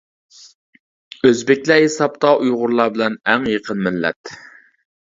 ئۆزبېكلەر ھېسابتا ئۇيغۇرلار بىلەن ئەڭ يېقىن مىللەت.